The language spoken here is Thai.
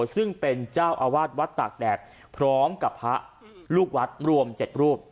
ซึ่งเป็นเจ้าอาวาสวัดตากแดดพร้อมกับพระลูกวัดรวม๗รูป